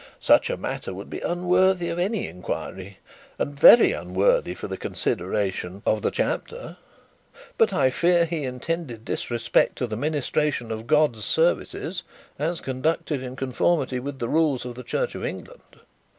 Such a matter would be unworthy of any inquiry, and very unworthy of the consideration of the chapter. But I fear he intended disrespect to the ministration's of God's services, as conducted in conformity with the rules of the Church of England.'